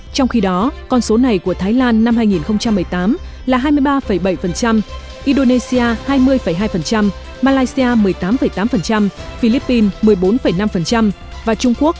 trong khi đó con số này của thái lan năm hai nghìn một mươi tám là hai mươi ba bảy indonesia hai mươi hai malaysia một mươi tám tám philippines một mươi bốn năm và trung quốc